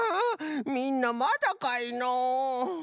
みんなまだかいのう？